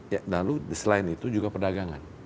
ya lalu selain itu juga perdagangan